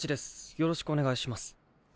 よろしくお願いします。